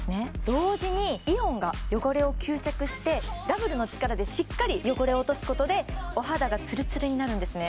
同時にしてダブルの力でしっかり汚れを落とすことでお肌がツルツルになるんですね